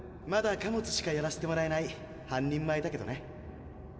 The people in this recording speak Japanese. まだ貨物しかやらせてもらえない半人前だけどね。